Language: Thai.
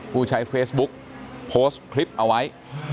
ผู้ใช้เฟซบุ๊กโพสต์คลิปเอาไว้